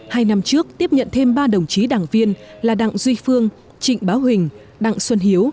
hai năm trước tiếp nhận thêm ba đồng chí đảng viên là đặng duy phương trịnh báo huỳnh đặng xuân hiếu